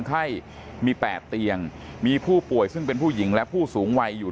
ไข้มี๘เตียงมีผู้ป่วยซึ่งเป็นผู้หญิงและผู้สูงวัยอยู่